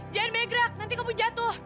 jangan megrak nanti kamu jatuh